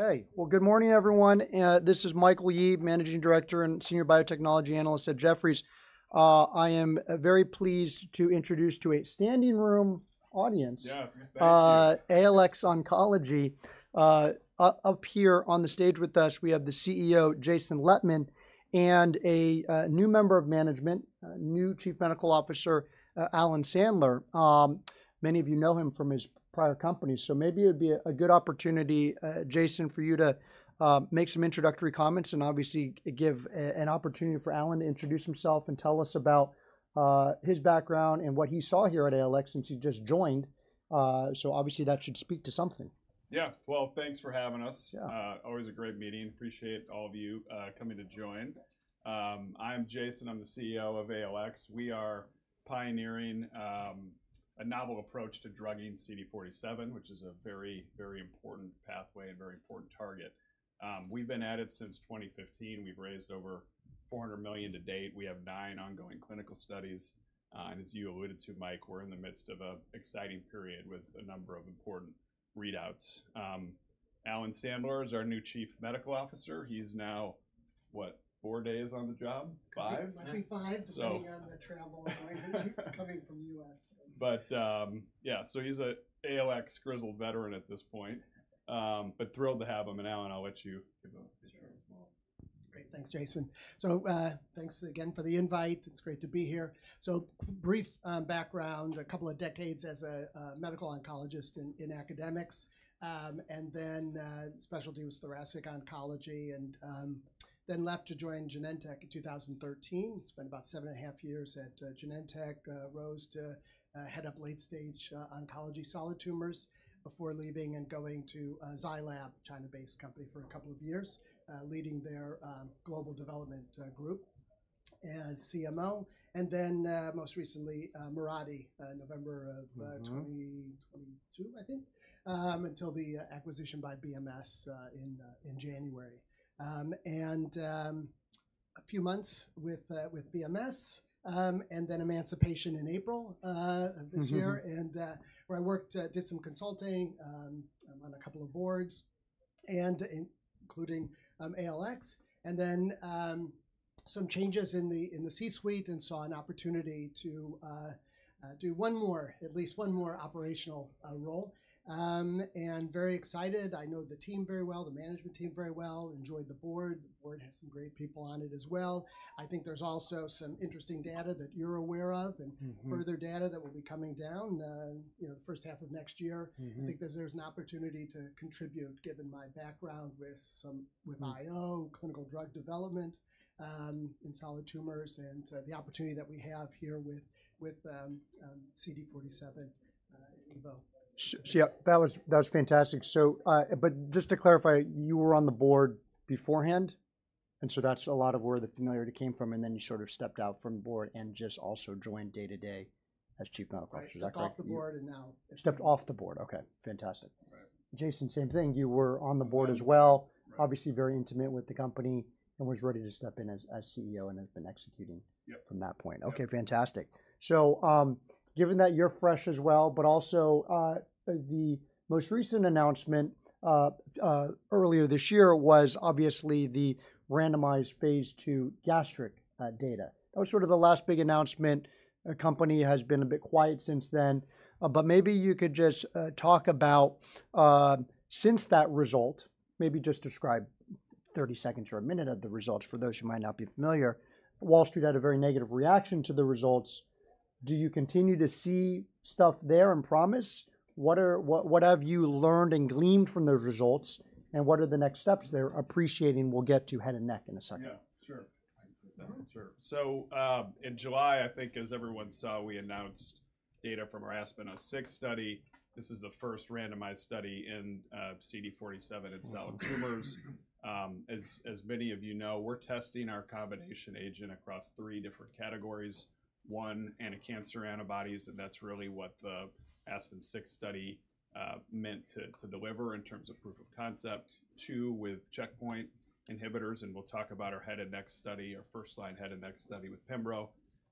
Hey. Good morning, everyone. This is Michael Yee, Managing Director and Senior Biotechnology Analyst at Jefferies. I am very pleased to introduce to a standing room audience ALX Oncology. Up here on the stage with us, we have the CEO, Jason Lettmann, and a new member of management, new Chief Medical Officer, Alan Sandler. Many of you know him from his prior company, so maybe it would be a good opportunity, Jason, for you to make some introductory comments and obviously give an opportunity for Alan to introduce himself and tell us about his background and what he saw here at ALX since he just joined. Obviously that should speak to something. Yeah, well, thanks for having us. Always a great meeting. Appreciate all of you coming to join. I'm Jason. I'm the CEO of ALX. We are pioneering a novel approach to drugging CD47, which is a very, very important pathway and very important target. We've been at it since 2015. We've raised over $400 million to date. We have nine ongoing clinical studies. And as you alluded to, Mike, we're in the midst of an exciting period with a number of important readouts. Alan Sandler is our new Chief Medical Officer. He's now, what, four days on the job? Five? Maybe five. Depending on the travel and language, coming from the U.S. But yeah, so he's an ALX grizzled veteran at this point. But thrilled to have him. And Alan, I'll let you go. Great. Thanks, Jason, so thanks again for the invite. It's great to be here, so brief background, a couple of decades as a medical oncologist in academics, and then specialty was thoracic oncology, and then left to join Genentech in 2013. Spent about seven and a half years at Genentech, rose to head up late-stage oncology solid tumors before leaving and going to Zai Lab, a China-based company, for a couple of years, leading their global development group as CMO, and then most recently, Mirati, November of 2022, I think, until the acquisition by BMS in January, and a few months with BMS and then emancipation in April of this year, and where I worked, did some consulting on a couple of boards, including ALX, and then some changes in the C-suite and saw an opportunity to do one more, at least one more operational role, and very excited. I know the team very well, the management team very well. Enjoyed the board. The board has some great people on it as well. I think there's also some interesting data that you're aware of and further data that will be coming down the first half of next year. I think there's an opportunity to contribute, given my background with IO, clinical drug development in solid tumors, and the opportunity that we have here with CD47. Yeah, that was fantastic. But just to clarify, you were on the board beforehand? And so that's a lot of where the familiarity came from. And then you sort of stepped out from the board and just also joined day-to-day as Chief Medical Officer. Stepped off the board and now. Stepped off the board. Okay. Fantastic. Jason, same thing. You were on the board as well. Obviously very intimate with the company and was ready to step in as CEO and has been executing from that point. Okay. Fantastic. So given that you're fresh as well, but also the most recent announcement earlier this year was obviously the randomized phase two gastric data. That was sort of the last big announcement. The company has been a bit quiet since then. But maybe you could just talk about since that result, maybe just describe 30 seconds or a minute of the results for those who might not be familiar. Wall Street had a very negative reaction to the results. Do you continue to see stuff there and promise? What have you learned and gleaned from those results? And what are the next steps they're appreciating? We'll get to head and neck in a second. Yeah, sure. So in July, I think, as everyone saw, we announced data from our ASPEN-06 study. This is the first randomized study in CD47 in solid tumors. As many of you know, we're testing our combination agent across three different categories. One, anticancer antibodies. And that's really what the ASPEN-06 study meant to deliver in terms of proof of concept. Two, with checkpoint inhibitors. And we'll talk about our head and neck study, our first-line head and neck study with Pembro.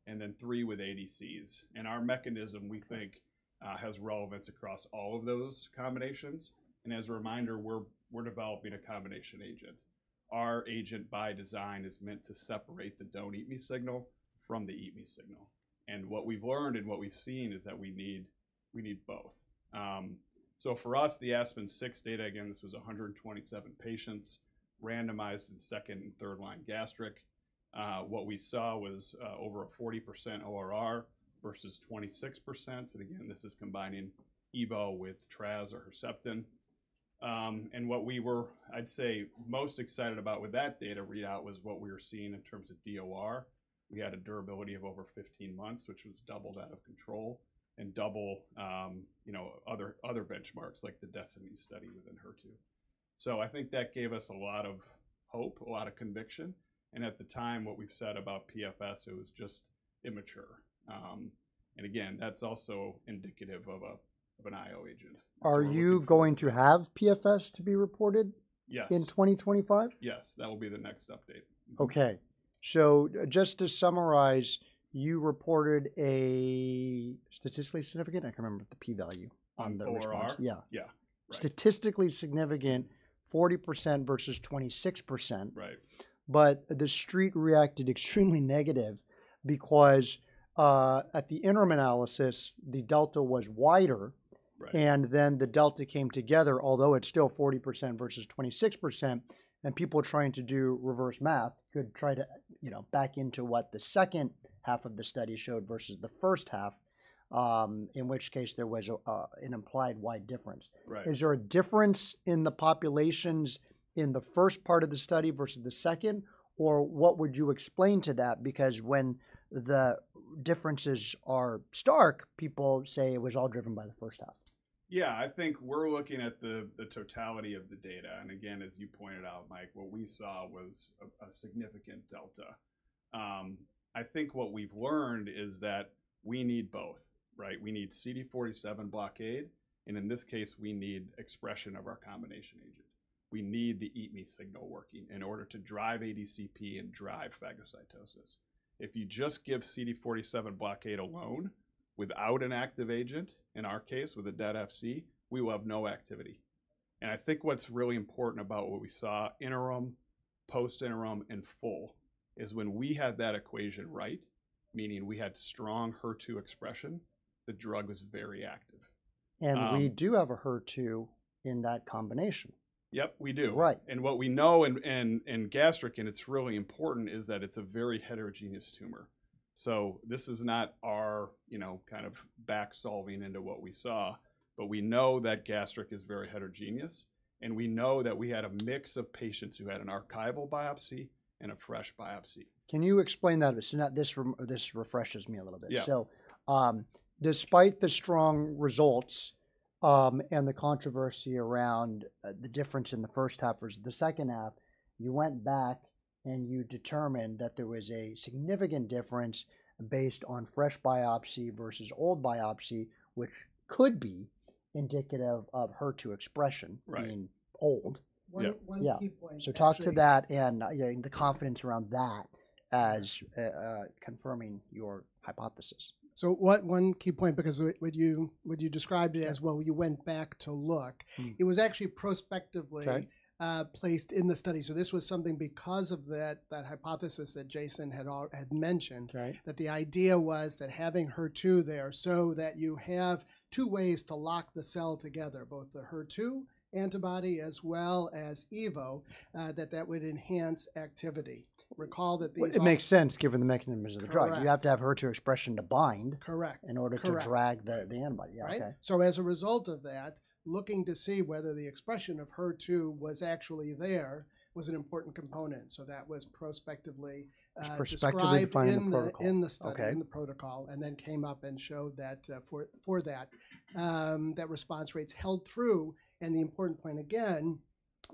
And then three, with ADCs. And our mechanism, we think, has relevance across all of those combinations. And as a reminder, we're developing a combination agent. Our agent, by design, is meant to separate the don't-eat-me signal from the eat-me signal. And what we've learned and what we've seen is that we need both. So for us, the ASPEN-06 data, again, this was 127 patients randomized in second- and third-line gastric. What we saw was over a 40% ORR versus 26%. And again, this is combining Evo with Traz or Herceptin. And what we were, I'd say, most excited about with that data readout was what we were seeing in terms of DOR. We had a durability of over 15 months, which was double that of control and double other benchmarks like the DESTINY study with Enhertu. So I think that gave us a lot of hope, a lot of conviction. And at the time, what we've said about PFS, it was just immature. And again, that's also indicative of an IO agent. Are you going to have PFS to be reported in 2025? Yes. That will be the next update. Okay. So just to summarize, you reported a statistically significant. I can't remember the p-value on the report. ORR? Yeah. Yeah. Statistically significant, 40% versus 26%. But the street reacted extremely negative because at the interim analysis, the delta was wider. And then the delta came together, although it's still 40% versus 26%. And people trying to do reverse math could try to back into what the second half of the study showed versus the first half, in which case there was an implied wide difference. Is there a difference in the populations in the first part of the study versus the second? Or what would you explain to that? Because when the differences are stark, people say it was all driven by the first half. Yeah. I think we're looking at the totality of the data. And again, as you pointed out, Mike, what we saw was a significant delta. I think what we've learned is that we need both. We need CD47 blockade. And in this case, we need expression of our combination agent. We need the eat-me signal working in order to drive ADCP and drive phagocytosis. If you just give CD47 blockade alone without an active agent, in our case with a dead Fc, we will have no activity. And I think what's really important about what we saw interim, post-interim, and full is when we had that equation right, meaning we had strong HER2 expression, the drug was very active. We do have a HER2 in that combination. Yep, we do. And what we know in gastric, and it's really important, is that it's a very heterogeneous tumor. So this is not our kind of back-solving into what we saw. But we know that gastric is very heterogeneous. And we know that we had a mix of patients who had an archival biopsy and a fresh biopsy. Can you explain that? So this refreshes me a little bit. So despite the strong results and the controversy around the difference in the first half versus the second half, you went back and you determined that there was a significant difference based on fresh biopsy versus old biopsy, which could be indicative of HER2 expression being old. One key point. Talk to that and the confidence around that as confirming your hypothesis. So one key point, because what you described it as, well, you went back to look, it was actually prospectively placed in the study. So this was something because of that hypothesis that Jason had mentioned, that the idea was that having HER2 there so that you have two ways to lock the cell together, both the HER2 antibody as well as Evo, that that would enhance activity. Recall that the. It makes sense given the mechanisms of the drug. You have to have HER2 expression to bind in order to drag the antibody. Correct. So as a result of that, looking to see whether the expression of HER2 was actually there was an important component. So that was prospectively. Prospectively final protocol. In the protocol and then came up and showed that for that, that response rates held true. And the important point again,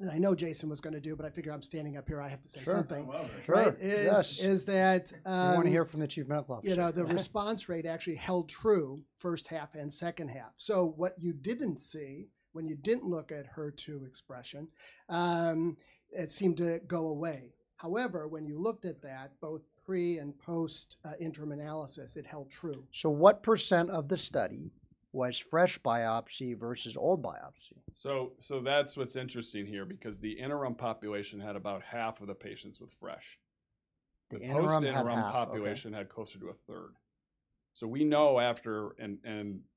that I know Jason was going to do, but I figure I'm standing up here, I have to say something. Sure. Is that. I want to hear from the Chief Medical Officer. The response rate actually held true first half and second half, so what you didn't see when you didn't look at HER2 expression, it seemed to go away. However, when you looked at that, both pre and post-interim analysis, it held true. So what percent of the study was fresh biopsy versus old biopsy? That's what's interesting here because the interim population had about half of the patients with fresh. The post-interim population had closer to a third. We know after, and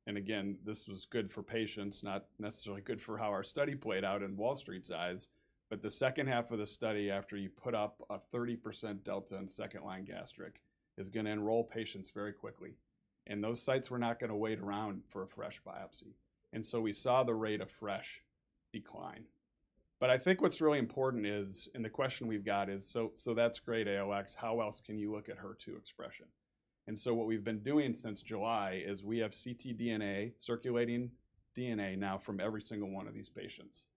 again, this was good for patients, not necessarily good for how our study played out in Wall Street's eyes. The second half of the study, after you put up a 30% delta in second-line gastric, is going to enroll patients very quickly. Those sites were not going to wait around for a fresh biopsy. We saw the rate of fresh decline. I think what's really important is, and the question we've got is, that's great, ALX, how else can you look at HER2 expression? What we've been doing since July is we have ctDNA, circulating DNA now from every single one of these patients.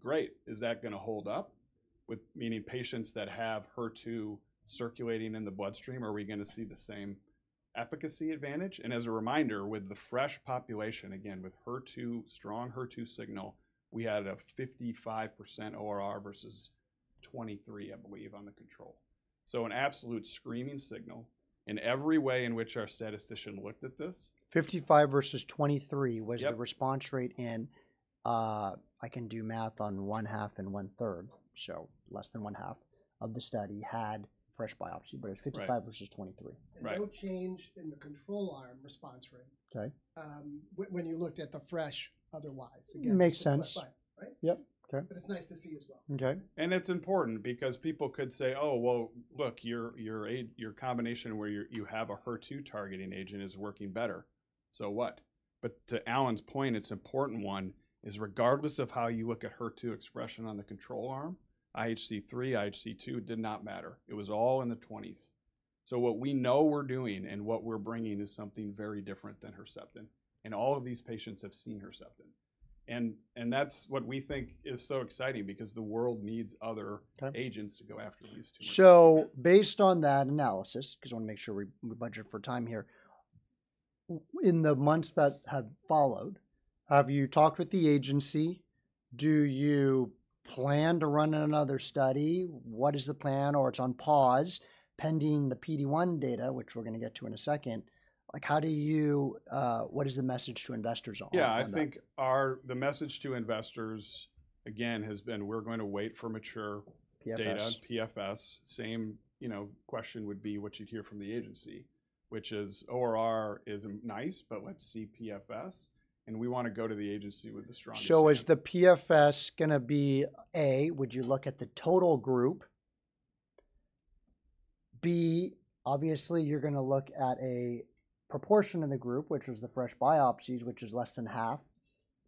Great. Is that going to hold up? Meaning patients that have HER2 circulating in the bloodstream, are we going to see the same efficacy advantage? And as a reminder, with the fresh population, again, with HER2, strong HER2 signal, we had a 55% ORR versus 23%, I believe, on the control. So an absolute screaming signal in every way in which our statistician looked at this. 55 versus 23 was the response rate, and I can do math on one half and one third, so less than one half of the study had fresh biopsy, but it was 55 versus 23. No change in the control arm response rate when you looked at the FISH otherwise. Makes sense. But it's nice to see as well. It's important because people could say, oh, well, look, your combination where you have a HER2 targeting agent is working better. So what? But to Alan's point, it's important. One is regardless of how you look at HER2 expression on the control arm, IHC 3+, IHC 2+ did not matter. It was all in the 20s. So what we know we're doing and what we're bringing is something very different than Herceptin. And all of these patients have seen Herceptin. And that's what we think is so exciting because the world needs other agents to go after these tumors. So based on that analysis, because I want to make sure we budget for time here, in the months that have followed, have you talked with the agency? Do you plan to run another study? What is the plan? Or it's on pause pending the PD-1 data, which we're going to get to in a second. What is the message to investors on? Yeah, I think the message to investors, again, has been we're going to wait for mature data, PFS. Same question would be what you'd hear from the agency, which is ORR is nice, but let's see PFS. And we want to go to the agency with the strongest. So is the PFS going to be A, would you look at the total group? B, obviously, you're going to look at a proportion of the group, which was the fresh biopsies, which is less than half.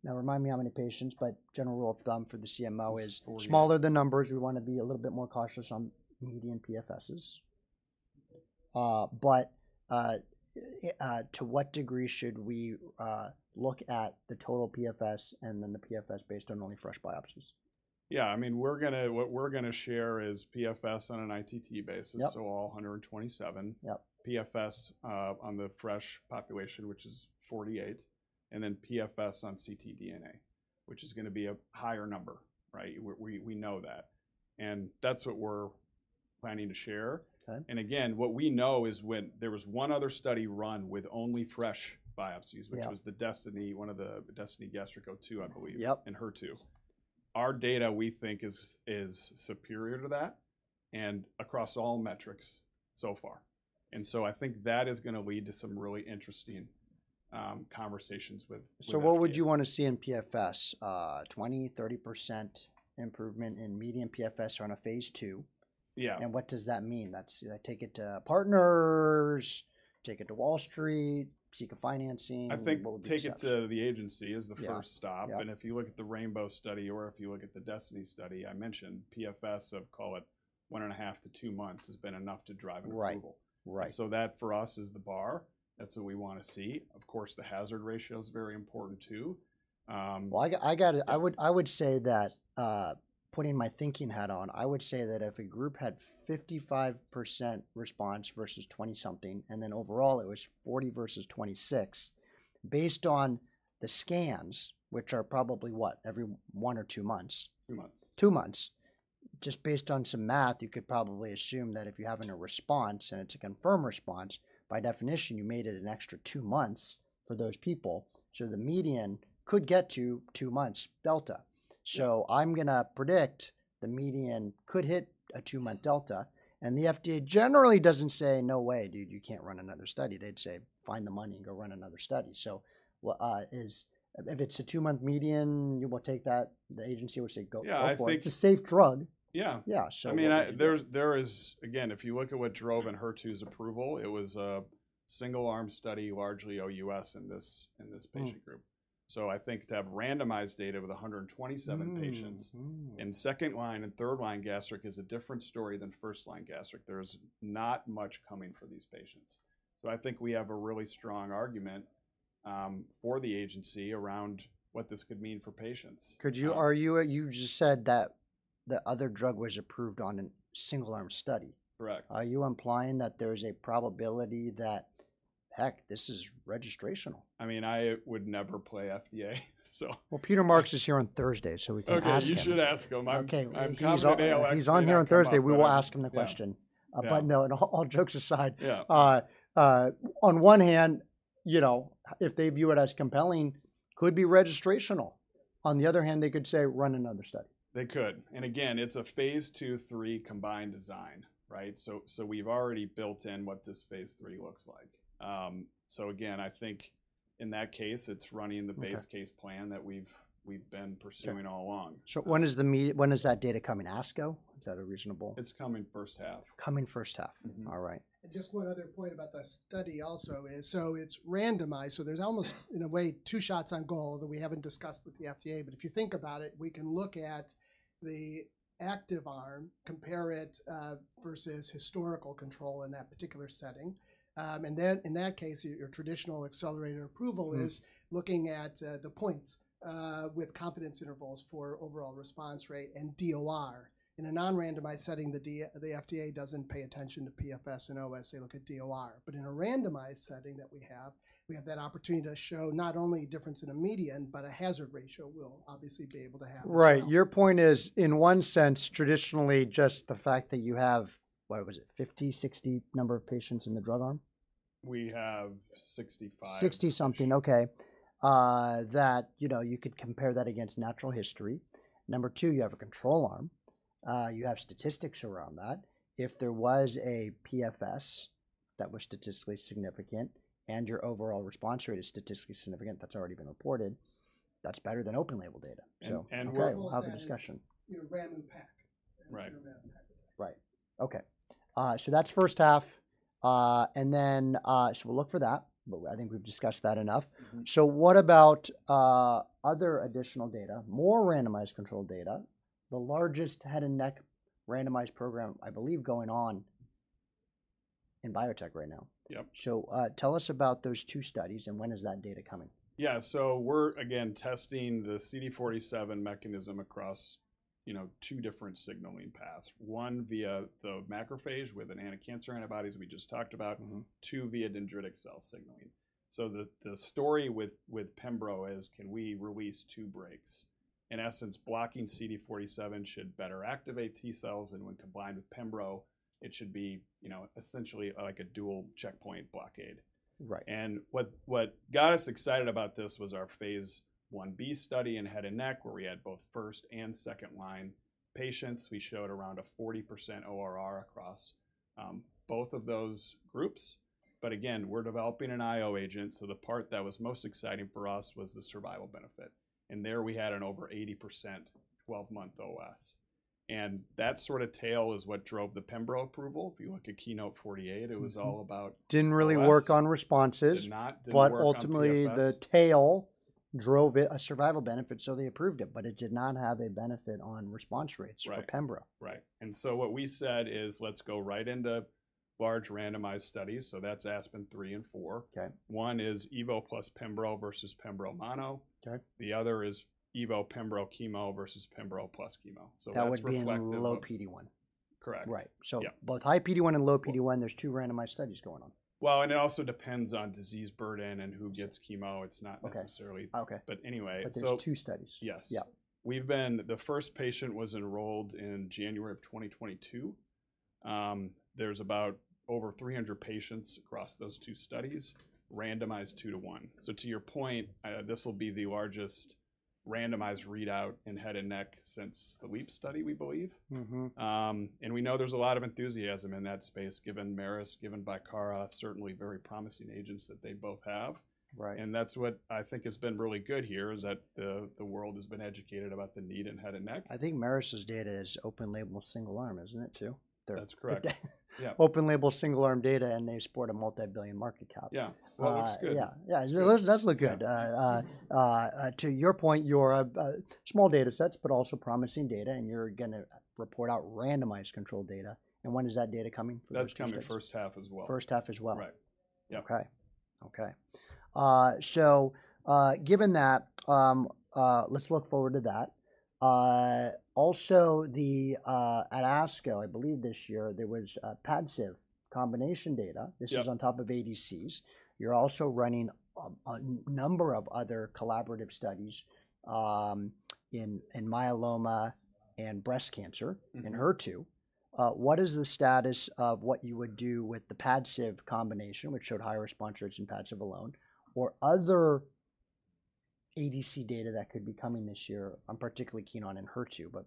Now, remind me how many patients, but general rule of thumb for the CMO is smaller the numbers, we want to be a little bit more cautious on median PFSs. But to what degree should we look at the total PFS and then the PFS based on only fresh biopsies? Yeah. I mean, what we're going to share is PFS on an ITT basis. So all 127. PFS on the fresh population, which is 48. And then PFS on ctDNA, which is going to be a higher number. We know that. And that's what we're planning to share. And again, what we know is when there was one other study run with only fresh biopsies, which was the DESTINY, one of the DESTINY-Gastric02, I believe, and HER2. Our data, we think, is superior to that and across all metrics so far. And so I think that is going to lead to some really interesting conversations with. What would you want to see in PFS? 20%-30% improvement in median PFS on a phase 2? Yeah. What does that mean? Take it to partners, take it to Wall Street, seek a financing? I think take it to the agency is the first stop. And if you look at the Rainbow study or if you look at the Destiny study, I mentioned PFS of, call it, one and a half to two months has been enough to drive an approval. So that for us is the bar. That's what we want to see. Of course, the hazard ratio is very important too. I would say that, putting my thinking hat on, I would say that if a group had 55% response versus 20-something, and then overall it was 40% versus 26%, based on the scans, which are probably what, every one or two months? Two months. Two months. Just based on some math, you could probably assume that if you're having a response and it's a confirmed response, by definition, you made it an extra two months for those people. So the median could get to two months delta. So I'm going to predict the median could hit a two-month delta, and the FDA generally doesn't say, no way, dude, you can't run another study. They'd say, find the money and go run another study. So if it's a two-month median, you will take that. The agency will say, go for it. It's a safe drug. Yeah. I mean, there is, again, if you look at what drove Enhertu's approval, it was a single-arm study, largely OUS in this patient group. So I think to have randomized data with 127 patients in second-line and third-line gastric is a different story than first-line gastric. There is not much coming for these patients. So I think we have a really strong argument for the agency around what this could mean for patients. Did you just say that the other drug was approved on a single-arm study? Correct. Are you implying that there is a probability that, heck, this is registrational? I mean, I would never play FDA. Peter Marks is here on Thursday, so we can ask him. You should ask him. He's on here on Thursday. We will ask him the question. But no, all jokes aside. On one hand, you know if they view it as compelling, could be registrational. On the other hand, they could say, run another study. They could, and again, it's a phase 2/3 combined design, so we've already built in what this phase 3 looks like, so again, I think in that case, it's running the base case plan that we've been pursuing all along. So when is that data coming? ASCO? Is that a reasonable? It's coming first half. Coming first half. All right. And just one other point about the study also is, so it's randomized. So there's almost, in a way, two shots on goal that we haven't discussed with the FDA. But if you think about it, we can look at the active arm, compare it versus historical control in that particular setting. And in that case, your traditional accelerated approval is looking at the points with confidence intervals for overall response rate and DOR. In a non-randomized setting, the FDA doesn't pay attention to PFS and OS. They look at DOR. But in a randomized setting that we have, we have that opportunity to show not only a difference in a median, but a hazard ratio we'll obviously be able to have. Right. Your point is, in one sense, traditionally, just the fact that you have, what was it, 50, 60 number of patients in the drug arm? We have 65. 60-something. Okay. That you could compare that against natural history. Number two, you have a control arm. You have statistics around that. If there was a PFS that was statistically significant and your overall response rate is statistically significant, that's already been reported, that's better than open-label data. So we'll have a discussion. Ram Pac. Right. Okay. So that's first half. And then so we'll look for that. I think we've discussed that enough. So what about other additional data, more randomized control data, the largest head and neck randomized program, I believe, going on in biotech right now? Yep. Tell us about those two studies and when is that data coming? Yeah. So we're, again, testing the CD47 mechanism across two different signaling paths. One via the macrophage with anticancer antibodies we just talked about, two via dendritic cell signaling. So the story with Pembro is can we release two brakes? In essence, blocking CD47 should better activate T cells. And when combined with Pembro, it should be essentially like a dual checkpoint blockade. And what got us excited about this was our phase 1b study in head and neck, where we had both first- and second-line patients. We showed around a 40% ORR across both of those groups. But again, we're developing an IO agent. So the part that was most exciting for us was the survival benefit. And there we had an over 80% 12-month OS. And that sort of tail is what drove the Pembro approval. If you look at KEYNOTE-048, it was all about. Didn't really work on responses. Did not. But ultimately, the tail drove it a survival benefit. So they approved it, but it did not have a benefit on response rates for Pembro. Right. And so what we said is, let's go right into large randomized studies. So that's ASPEN-03 and ASPEN-04. One is Evo plus Pembro versus Pembro mono. The other is Evo Pembro chemo versus Pembro plus chemo. That would be a low PD-1. Correct. Right. So both high PD-1 and low PD-1, there's two randomized studies going on. Well, and it also depends on disease burden and who gets chemo. It's not necessarily. But anyway. But there's two studies. Yes. The first patient was enrolled in January of 2022. There's about over 300 patients across those two studies, randomized two to one. So to your point, this will be the largest randomized readout in head and neck since the KEYNOTE-048 study, we believe. And we know there's a lot of enthusiasm in that space, given Merus, given Bicara, certainly very promising agents that they both have. And that's what I think has been really good here is that the world has been educated about the need in head and neck. I think Merus's data is open-label single-arm, isn't it, too? That's correct. Open-label single-arm data, and they sport a multi-billion market cap. Yeah. Well, that's good. Yeah. Yeah. That does look good. To your point, you have small data sets, but also promising data, and you're going to report out randomized control data. When is that data coming? That's coming first half as well. First half as well. Right. Okay. So given that, let's look forward to that. Also, at ASCO, I believe this year, there was Padcev combination data. This is on top of ADCs. You're also running a number of other collaborative studies in myeloma and breast cancer Enhertu. What is the status of what you would do with the Padcev combination, which showed high response rates in Padcev alone, or other ADC data that could be coming this year? I'm particularly keen on Enhertu, but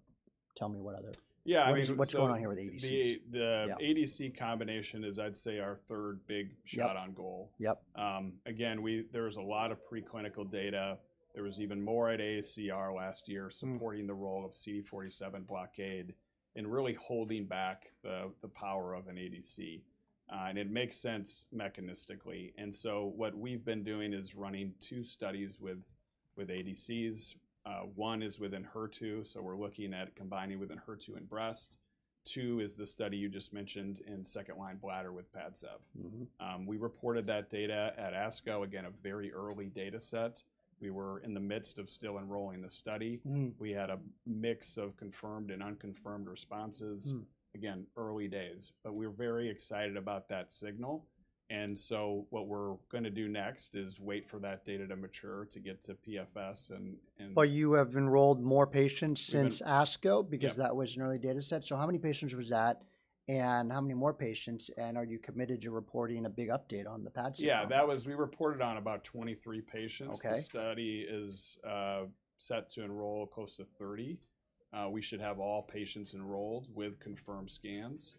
tell me what other. Yeah. What's going on here with ADCs? The ADC combination is, I'd say, our third big shot on goal. Again, there was a lot of preclinical data. There was even more at AACR last year supporting the role of CD47 blockade in really holding back the power of an ADC. And it makes sense mechanistically. And so what we've been doing is running two studies with ADCs. One is with Enhertu. So we're looking at combining with Enhertu in breast. Two is the study you just mentioned in second-line bladder with Padcev. We reported that data at ASCO, again, a very early data set. We were in the midst of still enrolling the study. We had a mix of confirmed and unconfirmed responses. Again, early days. But we were very excited about that signal. And so what we're going to do next is wait for that data to mature to get to PFS and. But you have enrolled more patients since ASCO because that was an early data set. So how many patients was that and how many more patients? And are you committed to reporting a big update on the Padcev? Yeah. We reported on about 23 patients. The study is set to enroll close to 30. We should have all patients enrolled with confirmed scans,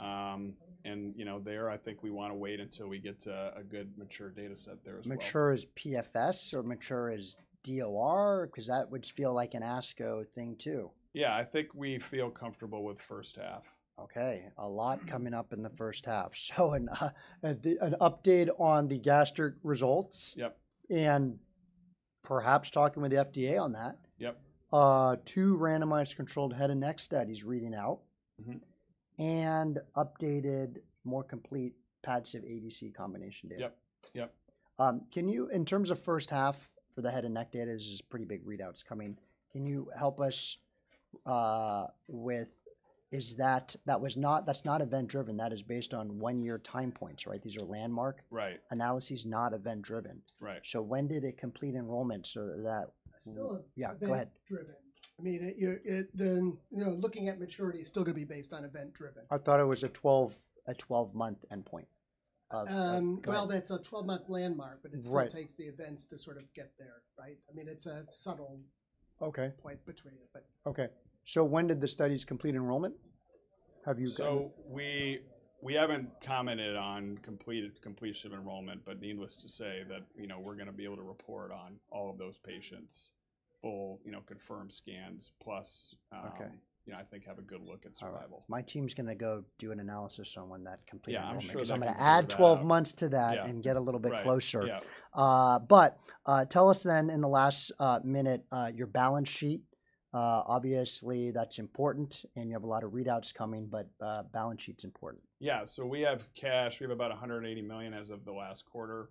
and there I think we want to wait until we get to a good mature data set there as well. Mature as PFS or mature as DOR? Because that would feel like an ASCO thing too. Yeah. I think we feel comfortable with first half. Okay. A lot coming up in the first half. So an update on the gastric results and perhaps talking with the FDA on that. Two randomized controlled head and neck studies reading out and updated more complete Padcev ADC combination data. Yep. Yep. In terms of first half for the head and neck data, this is pretty big readouts coming. Can you help us with that? That's not event-driven. That is based on one-year time points, right? These are landmark analyses, not event-driven. So when did it complete enrollment? So that. Still event-driven. I mean, looking at maturity, it's still going to be based on event-driven. I thought it was a 12. A 12-month endpoint of. That's a 12-month landmark, but it still takes the events to sort of get there, right? I mean, it's a subtle point between it, but. Okay. So when did the studies complete enrollment? Have you got? So we haven't commented on completion of enrollment, but needless to say that we're going to be able to report on all of those patients, full confirmed scans, plus I think have a good look at survival. My team's going to go do an analysis on when that completed enrollment. So I'm going to add 12 months to that and get a little bit closer. But tell us then in the last minute, your balance sheet. Obviously, that's important, and you have a lot of readouts coming, but balance sheet's important. Yeah. So we have cash. We have about $180 million as of the last quarter.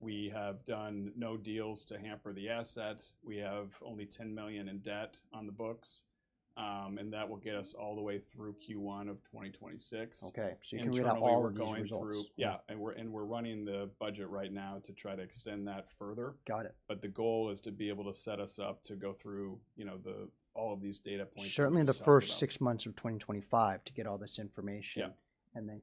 We have done no deals to hamper the asset. We have only $10 million in debt on the books. And that will get us all the way through Q1 of 2026. Okay, so you can read out all of these results. Yeah. And we're running the budget right now to try to extend that further. Got it. But the goal is to be able to set us up to go through all of these data points. Certainly the first six months of 2025 to get all this information. And then.